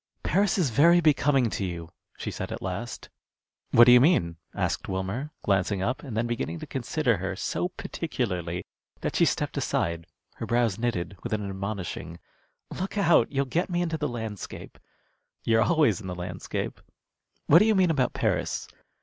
"Paris is very becoming to you," she said at last. "What do you mean?" asked Wilmer, glancing up, and then beginning to consider her so particularly that she stepped aside, her brows knitted, with an admonishing, "Look out! you'll get me into the landscape." "You're always in the landscape. What do you mean about Paris?"